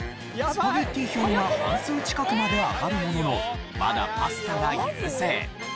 スパゲッティ票が半数近くまで上がるもののまだパスタが優勢。